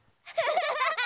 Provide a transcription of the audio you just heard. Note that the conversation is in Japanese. ハハハハ！